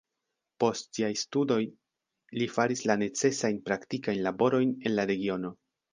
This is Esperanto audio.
Post siaj studoj li faris la necesajn praktikajn laborojn en la regiono.